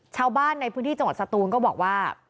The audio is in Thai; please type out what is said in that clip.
ชาวบ้านในพื้นที่จังหวัดสตูนก็บอกว่า